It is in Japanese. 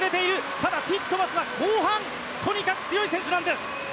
ただ、ティットマスは後半とにかく強い選手なんです。